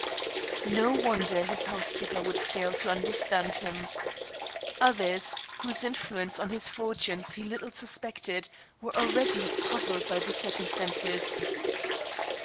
No wonder his housekeeper would fail to understand him. Others, whose influence on his fortunes he little suspected, were already puzzled by the circumstances.